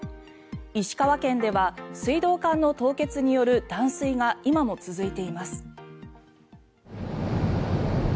石川県では水道管の凍結による断水が今も続いています。